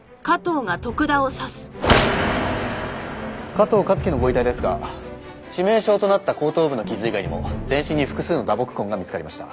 加藤香月のご遺体ですが致命傷となった後頭部の傷以外にも全身に複数の打撲痕が見つかりました。